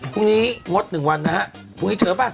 พรุ่งนี้งดหนึ่งวันนะฮะพรุ่งนี้เจอปะ